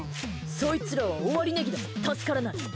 そいつらは終わりネギだ助からない。